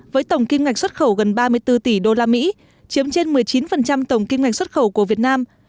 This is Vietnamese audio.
với tổng kim ngạch xuất khẩu gần ba mươi bốn tỷ usd chiếm trên một mươi chín tổng kim ngạch xuất khẩu của việt nam